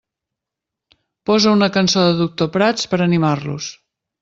Posa una cançó de Doctor Prats per animar-los.